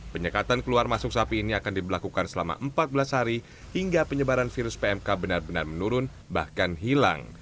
penyekatan keluar masuk sapi ini akan diberlakukan selama empat belas hari hingga penyebaran virus pmk benar benar menurun bahkan hilang